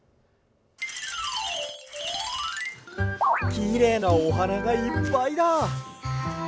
きれいなおはながいっぱいだ。